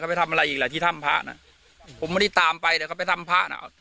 ไปทำอะไรอีกแหละที่ถ้ำพระน่ะผมไม่ได้ตามไปเดี๋ยวเขาไปทำพระน่ะ